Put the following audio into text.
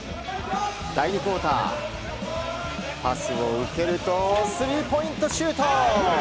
第２クオーターパスを受けるとスリーポイントシュート！